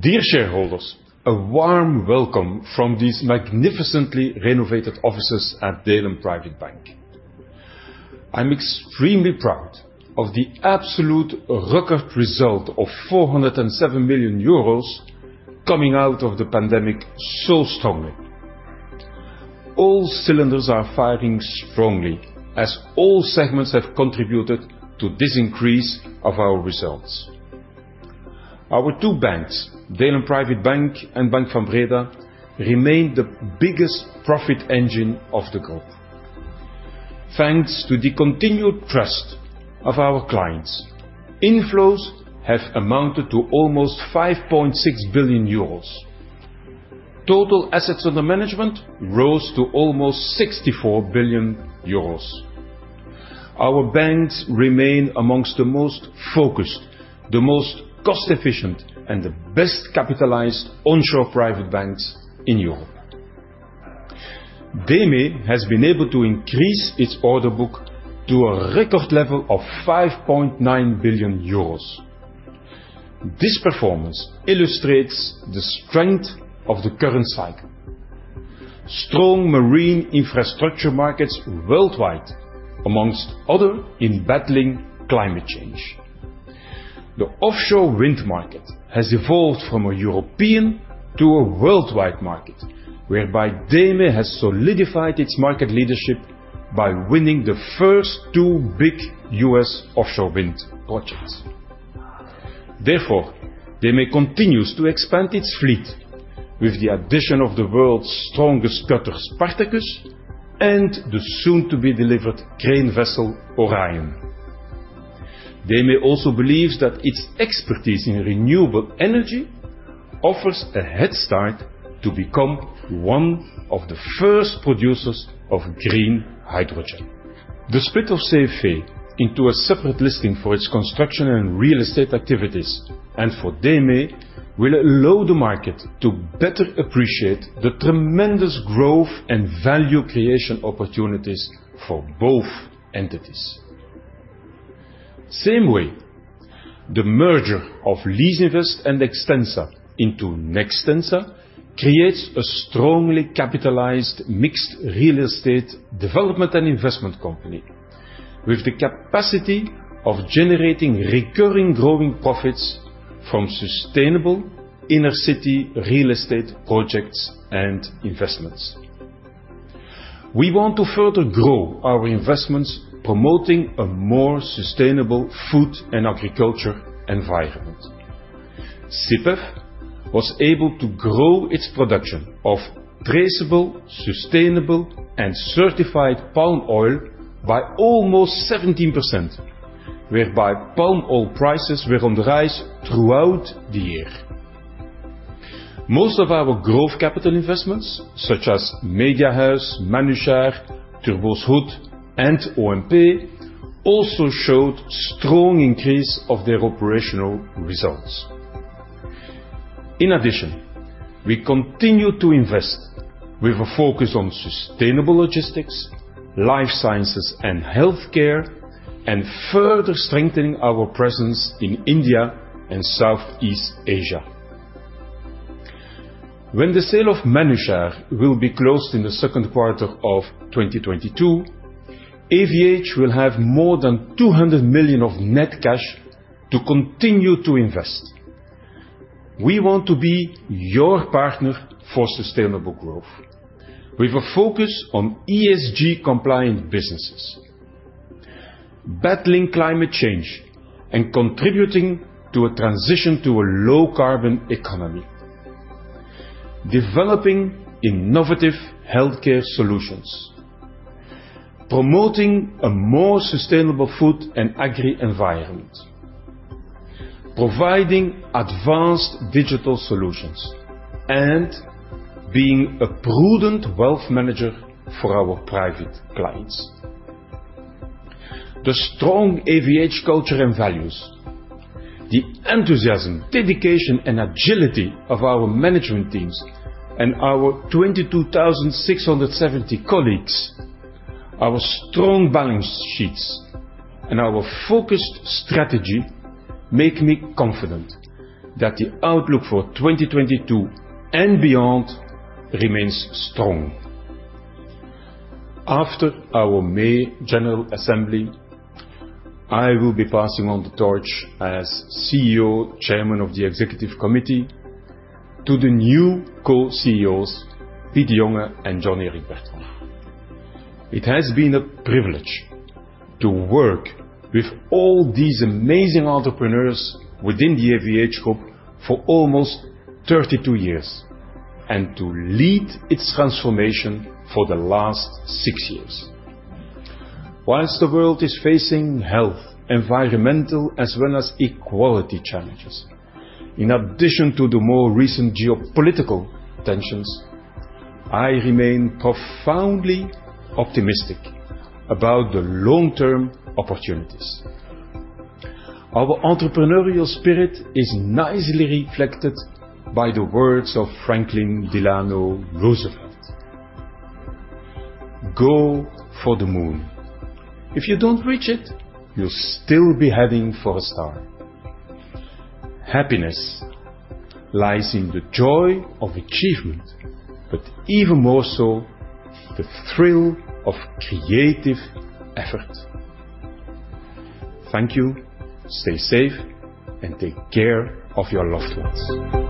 Dear shareholders, a warm welcome from these magnificently renovated offices at Delen Private Bank. I'm extremely proud of the absolute record result of 407 million euros coming out of the pandemic so strongly. All cylinders are firing strongly as all segments have contributed to this increase of our results. Our two banks, Delen Private Bank and Bank Van Breda, remain the biggest profit engine of the group. Thanks to the continued trust of our clients, inflows have amounted to almost 5.6 billion euros. Total assets under management rose to almost 64 billion euros. Our banks remain among the most focused, the most cost-efficient, and the best capitalized onshore private banks in Europe. DEME has been able to increase its order book to a record level of 5.9 billion euros. This performance illustrates the strength of the current cycle. Strong marine infrastructure markets worldwide, among others, in battling climate change. The offshore wind market has evolved from a European to a worldwide market, whereby DEME has solidified its market leadership by winning the first two big U.S. offshore wind projects. Therefore, DEME continues to expand its fleet with the addition of the world's strongest cutter, Spartacus, and the soon-to-be-delivered crane vessel Orion. DEME also believes that its expertise in renewable energy offers a head start to become one of the first producers of green hydrogen. The split of CFE into a separate listing for its construction and real estate activities and for DEME will allow the market to better appreciate the tremendous growth and value creation opportunities for both entities. Same way, the merger of Leasinvest and Extensa into Nextensa creates a strongly capitalized mixed real estate development and investment company with the capacity of generating recurring growing profits from sustainable inner-city real estate projects and investments. We want to further grow our investments promoting a more sustainable food and agriculture environment. SIPEF was able to grow its production of traceable, sustainable, and certified palm oil by almost 17%, whereby palm oil prices were on the rise throughout the year. Most of our growth capital investments, such as Mediahuis, Manuchar, Turbo's Hoet Groep, and OMP, also showed strong increase of their operational results. In addition, we continue to invest with a focus on sustainable logistics, Life Sciences, and healthcare, and further strengthening our presence in India and Southeast Asia. When the sale of Manuchar will be closed in the second quarter of 2022, AVH will have more than 200 million of net cash to continue to invest. We want to be your partner for sustainable growth with a focus on ESG-compliant businesses, battling climate change and contributing to a transition to a low-carbon economy, developing innovative healthcare solutions, promoting a more sustainable food and agri-environment, providing advanced digital solutions, and being a prudent wealth manager for our private clients. The strong AVH culture and values, the enthusiasm, dedication, and agility of our management teams and our 22,670 colleagues, our strong balance sheets, and our focused strategy make me confident that the outlook for 2022 and beyond remains strong. After our May General Assembly, I will be passing on the torch as CEO, Chairman of the Executive Committee, to the new co-CEOs, Piet Dejonghe and John-Eric Bertrand. It has been a privilege to work with all these amazing entrepreneurs within the AVH Group for almost 32 years and to lead its transformation for the last six years. While the world is facing health, environmental, as well as equality challenges, in addition to the more recent geopolitical tensions, I remain profoundly optimistic about the long-term opportunities. Our entrepreneurial spirit is nicely reflected by the words of Franklin Delano Roosevelt, "Go for the moon. If you don't reach it, you'll still be heading for a star. Happiness lies in the joy of achievement, but even more so, the thrill of creative effort." Thank you. Stay safe, and take care of your loved ones.